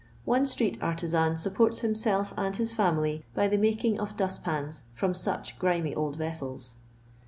One street artisan sap ports himself and his family by the making of das^ pans from such grimy old vessels.